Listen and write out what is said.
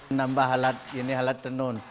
menambah halat tenun